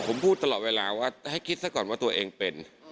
ผมพูดตลอดเวลาว่าให้คิดซะก่อนว่าตัวเองเป็น